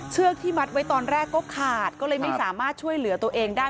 เชือกที่มัดไว้ตอนแรกก็ขาดก็เลยไม่สามารถช่วยเหลือตัวเองได้